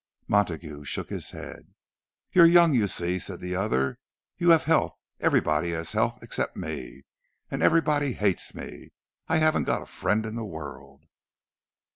Montague shook his head. "You're young, you see," said the other. "You have health—everybody has health, except me! And everybody hates me—I haven't got a friend in the world!"